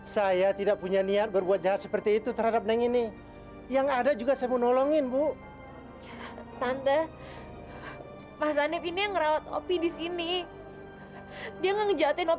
saya harus berterima kasih karena